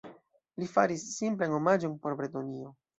Li faris simplan omaĝon por Bretonio.